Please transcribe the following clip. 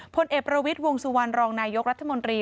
พลเอกประวิทย์วงสุวรรณรองนายกรัฐมนตรี